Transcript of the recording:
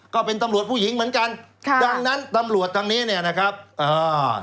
ก็เป็นตำรวจผู้หญิงเหมือนกันค่ะดังนั้นตำรวจทางนี้เนี่ยนะครับอ่า